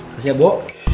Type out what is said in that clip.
kasih ya bu